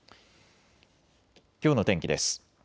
きょうの天気です。